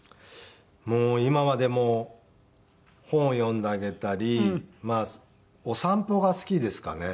もう今はでも本を読んであげたりお散歩が好きですかね。